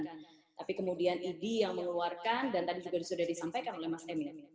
tapi kemudian idi yang mengeluarkan dan tadi juga sudah disampaikan oleh mas emil